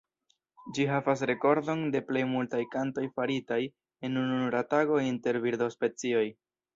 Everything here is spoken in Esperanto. Ĝi havas rekordon de plej multaj kantoj faritaj en ununura tago inter birdospecioj.